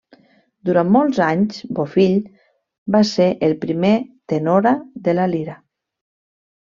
Durant molts anys, Bofill va ser el primer tenora de la Lira.